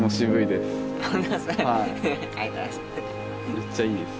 めっちゃいいです。